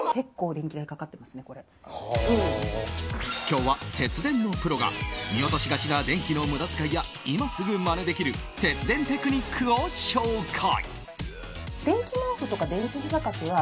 今日は節電のプロが見落としがちな電気の無駄使いや今すぐまねできる節電テクニックを紹介。